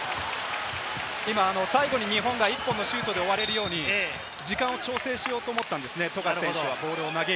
最後に日本が１本のシュートで終われるように、時間を調整しようと思ったんですね、富樫選手は。